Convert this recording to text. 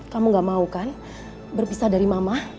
kamu gak mau kan berpisah dari mama